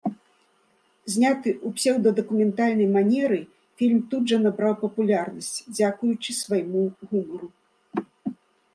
Зняты ў псеўдадакументальнай манеры, фільм тут жа набраў папулярнасць дзякуючы свайму гумару.